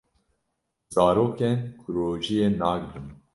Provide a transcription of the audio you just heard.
Zarokên ku rojiyê nagrin